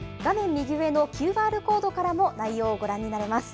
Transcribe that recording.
右上のＱＲコードからも内容をご覧になれます。